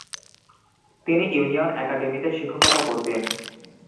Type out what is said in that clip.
তিনি ইউনিয়ন অ্যাকাডেমিতে শিক্ষকতা করতেন ।